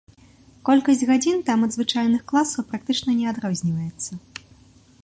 Колькасць гадзін там ад звычайных класаў практычна не адрозніваецца.